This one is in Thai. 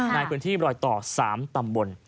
ในพื้นที่รอยต่อ๓ตำบล